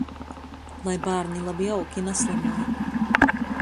Lai bārni labi aug i naslymoj.